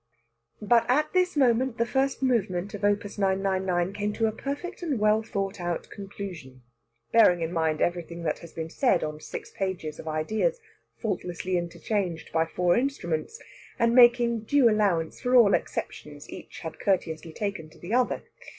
But at this moment the first movement of Op. 999 came to a perfect and well thought out conclusion, bearing in mind everything that had been said on six pages of ideas faultlessly interchanged by four instruments, and making due allowance for all exceptions each had courteously taken to the other.